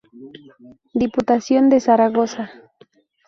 Diputación de Zaragoza.